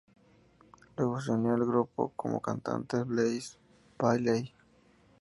Luego se unió al grupo como cantante Blaze Bayley.